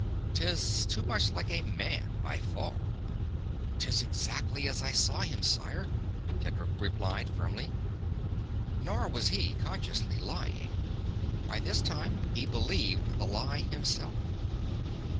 "'Tis too much like a man, by far." "'Tis exactly as I saw him, sire," Tedric replied, firmly. Nor was he, consciously, lying: by this time he believed the lie himself.